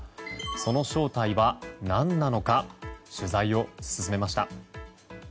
その正体は何なのか取材を進めました。